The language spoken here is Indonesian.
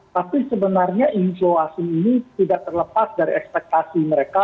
tapi sebenarnya inflow asing ini tidak terlepas dari ekspektasi mereka